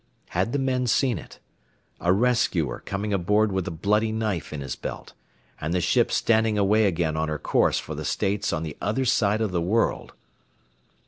Had the men seen it? A rescuer coming aboard with a bloody knife in his belt, and the ship standing away again on her course for the States on the other side of the world!